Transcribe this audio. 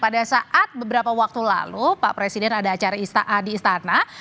pada saat beberapa waktu lalu pak presiden ada acara di istana